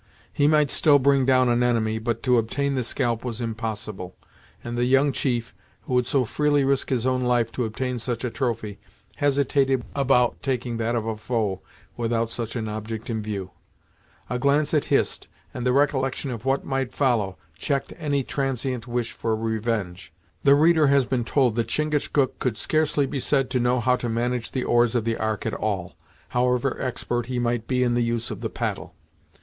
He might still bring down an enemy, but to obtain the scalp was impossible, and the young chief, who would so freely risk his own life to obtain such a trophy, hesitated about taking that of a foe without such an object in view. A glance at Hist, and the recollection of what might follow, checked any transient wish for revenge. The reader has been told that Chingachgook could scarcely be said to know how to manage the oars of the Ark at all, however expert he might be in the use of the paddle.